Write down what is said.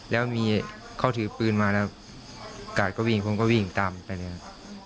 แล้วมีเขาถือปืนมาแล้วกาดก็วิ่งผมก็วิ่งตามไปเลยครับ